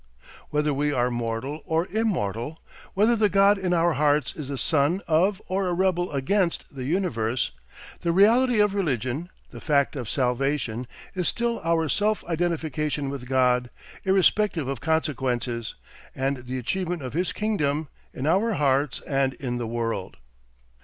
Whether we are mortal or immortal, whether the God in our hearts is the Son of or a rebel against the Universe, the reality of religion, the fact of salvation, is still our self identification with God, irrespective of consequences, and the achievement of his kingdom, in our hearts and in the world.